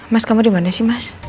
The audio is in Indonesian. mas kamu dimana sih mas